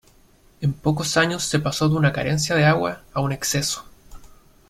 En pocos años se pasó de una carencia de agua a un exceso.